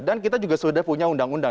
dan kita juga sudah punya undang undang